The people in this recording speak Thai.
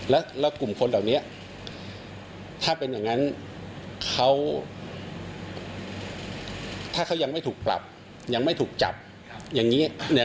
แล้วกลุ่มคนเหล่านี้ถ้าเป็นอย่างนั้นเขาถ้าเขายังไม่ถูกปรับยังไม่ถูกจับอย่างนี้เนี่ย